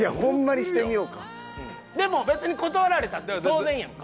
でも別に断られたって当然やんか。